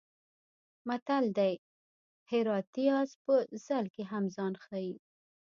متل دی: هراتی اس په ځل کې هم ځان ښي.